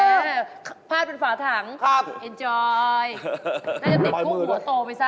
พาดเป็นฝาถังครับเอ็นจอยน่าจะติดกุ้งหัวโตไปซะ